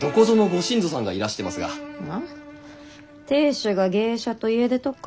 亭主が芸者と家出とか？